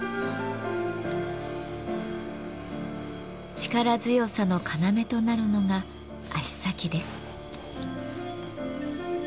力強さの要となるのが足先です。